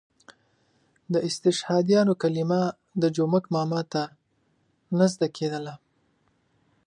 د استشهادیانو کلمه د جومک ماما ته نه زده کېدله.